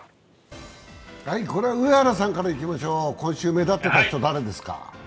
これは上原さんからいきましょう、今週目立っていた人は？